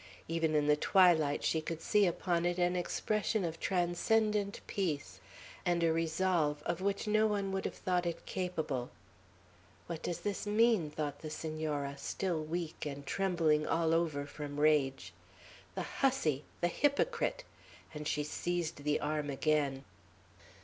Even in the twilight she could see upon it an expression of transcendent peace, and a resolve of which no one would have thought it capable. "What does this mean?" thought the Senora, still weak, and trembling all over, from rage. "The hussy, the hypocrite!" and she seized the arm again.